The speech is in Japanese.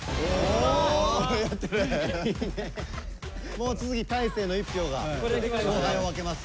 もう次大晴の１票が勝敗を分けます。